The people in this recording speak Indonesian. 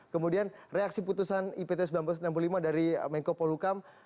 kemudian reaksi putusan ipt seribu sembilan ratus enam puluh lima dari menko polukam